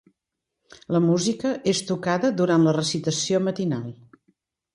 La música és tocada durant la recitació matinal.